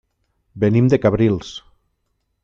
Venim de Cabrils.